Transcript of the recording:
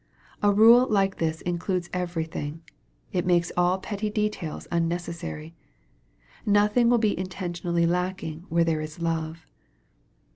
A rule like this includes every thing. It makes all petty details unnecessary. Nothing will be intentionally lacking where there is love.